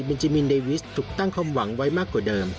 จิมินเดวิสถูกตั้งความหวังไว้มากกว่าเดิม